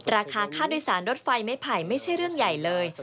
ราคาค่าโดยสารรถไฟไม่ไผ่ไม่ใช่เรื่องใหญ่เลย